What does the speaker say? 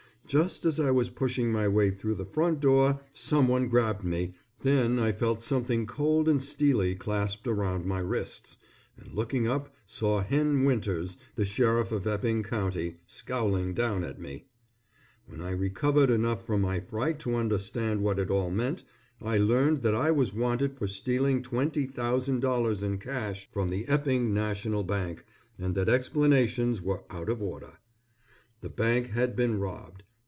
Just as I was pushing my way through the front door someone grabbed me, then I felt something cold and steely clasped around my wrists, and looking up saw Hen Winters, the sheriff of Epping County, scowling down at me. When I recovered enough from my fright to understand what it all meant, I learned that I was wanted for stealing $20,000 in Cash from the Epping National Bank, and that explanations were out of order. The bank had been robbed.